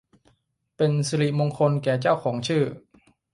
เป็นศิริมงคลแก่เจ้าของชื่อ